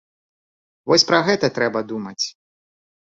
Вось пра гэта трэба думаць.